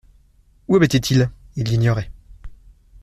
Où habitait-il ? Il l'ignorait.